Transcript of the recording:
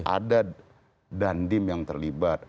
ada dandim yang terlibat